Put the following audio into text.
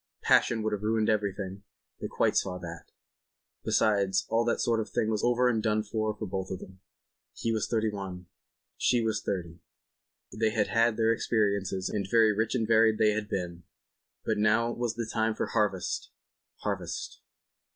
Passion would have ruined everything; they quite saw that. Besides, all that sort of thing was over and done with for both of them—he was thirty one, she was thirty—they had had their experiences, and very rich and varied they had been, but now was the time for harvest—harvest.